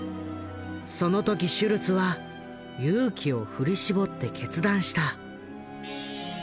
その時シュルツは勇気を振り絞って決断した。